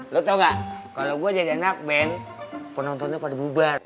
lo tau gak kalau gue jadi anak band penontonnya pada bubar